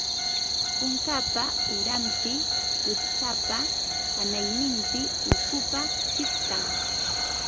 Kunkapa uranpi, wiksapa hanayninpi ukupa chiqtan